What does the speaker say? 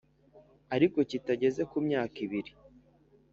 Ariko Kitageze Ku Myaka Ibiri